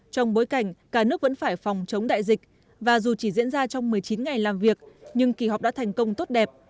trong bối cảnh cả nước vẫn phải phòng chống đại dịch và dù chỉ diễn ra trong một mươi chín ngày làm việc nhưng kỳ họp đã thành công tốt đẹp